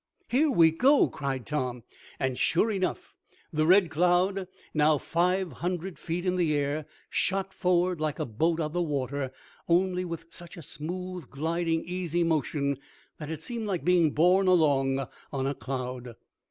"Here we go!" cried Tom, and, sure enough, the Red Cloud, now five hundred feet in the air, shot forward, like a boat on the water, only with such a smooth, gliding, easy motion, that it seemed like being borne along on a cloud.